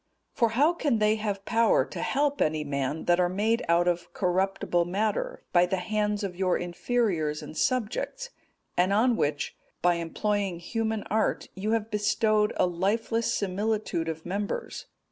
'(222) For how can they have power to help any man, that are made out of corruptible matter, by the hands of your inferiors and subjects, and on which, by employing human art, you have bestowed a lifeless similitude of members?